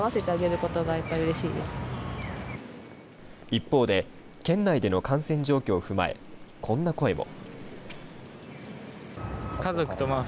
一方で県内での感染状況を踏まえこんな声も。